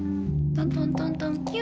トントントントンキュ。